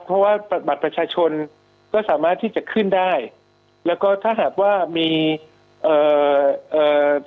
เพราะว่าบัตรประชาชนก็สามารถที่จะขึ้นได้แล้วก็ถ้าหากว่ามีเอ่อเอ่อ